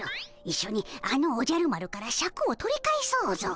いっしょにあのおじゃる丸からシャクを取り返そうぞ！